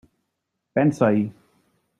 Pensa-hi.